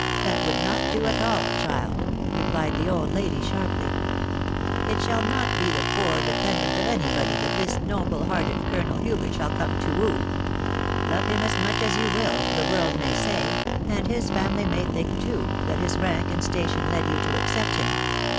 .... That would not do at aH, c&SeV replied tbe old lady sharply " It shall not be die poor oV pendsnt of anybody that this ucKUAm^x^ WuswSl 2KB WIDOW BARNABK. £$£ shall come to woo. Love him as much as you will, the world may say, and his family may think too, that his rank and station led you to accept him.